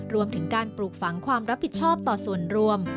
รวมถึงการปลูกฝังความรับผิดชอบต่อส่วนรวม